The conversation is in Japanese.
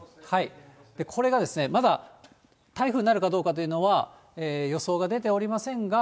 これが、まだ台風になるかどうかというのは、予想が出ておりませんが。